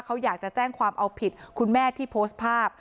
เขาอยากจะแจ้งความเอาผิดคุณแม่ที่โพสต์ภาพ